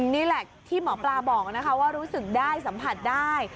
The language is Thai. นี่แหละที่หมอปลาบอกนะคะว่ารู้สึกได้สัมผัสได้